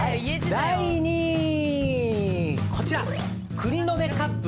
はい第２位こちら。